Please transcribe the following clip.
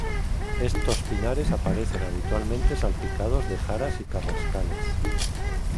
Estos pinares aparecen habitualmente salpicados de jaras y carrascales.